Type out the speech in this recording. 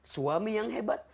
suami yang hebat